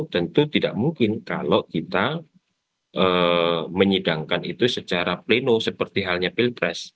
tentu tidak mungkin kalau kita menyidangkan itu secara pleno seperti halnya pilpres